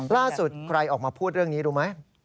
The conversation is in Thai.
ใครออกมาพูดเรื่องนี้รู้ไหม